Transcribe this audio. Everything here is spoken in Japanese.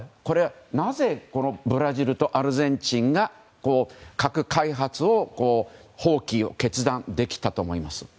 なぜ、ブラジルとアルゼンチンが核開発の放棄を決断できたと思いますか。